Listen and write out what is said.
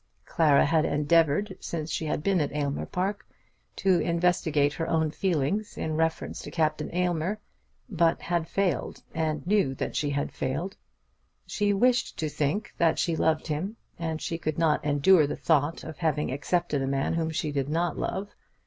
Clara had endeavoured, since she had been at Aylmer Park, to investigate her own feelings in reference to Captain Aylmer; but had failed, and knew that she had failed. She wished to think that she loved him, as she could not endure the thought of having accepted a man whom she did not love.